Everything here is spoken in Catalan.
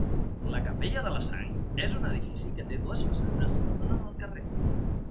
La capella de la Sang és un edifici que té dues façanes que donen al carrer.